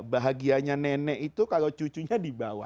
bahagianya nenek itu kalau cucunya dibawa